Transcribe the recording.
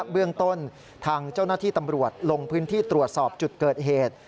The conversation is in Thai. เบื้องต้นทางเจ้าหน้าที่ตำรวจลงพื้นที่ตรวจสอบจุดเกิดเหตุ